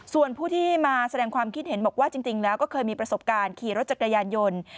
ส่วนผู้ที่มาแสดงความคิดเห็นบอกว่าจริงแล้วก็เคยมีประสบการณ์ขี่รถจักรยานยนต์